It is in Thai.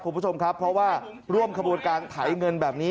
คุณผู้ชมครับเพราะว่าร่วมขบวนการไถเงินแบบนี้